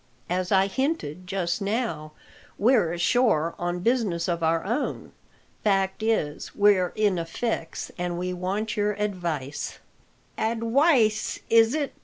As I hinted just now, we're ashore on business of our own. Fact is, we're in a fix, and we want your advice." "Adwice is it?"